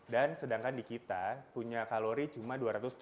dan sedangkan di kita punya kalori cuma dua ratus tujuh puluh lima